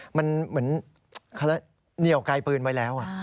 เหมือนเครื่องเลี่ยวกายปืนไว้แล้ว